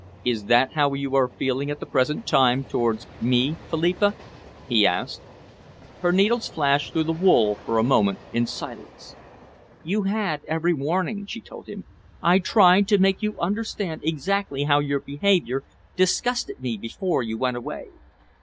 "Is that how you are feeling at the present time towards me, Philippa?" he asked. Her needles flashed through the wool for a moment in silence. "You had every warning," she told him. "I tried to make you understand exactly how your behaviour disgusted me before you went away."